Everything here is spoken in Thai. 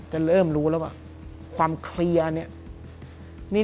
จะเริ่มรู้แล้วว่าความเคลียร์เนี่ย